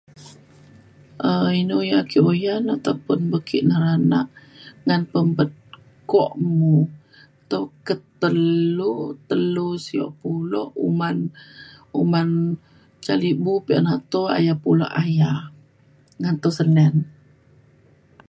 um inu yak ake uyan ataupun ake ngaran nak ngan pempet kuak mu tuket telu telu sio pulo uman uman ca libu pi’en ato aya pulo aya ngan tusen layan